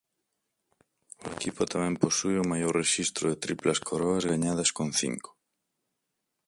O equipo tamén posúe o maior rexistro de triplas coroas gañadas con cinco.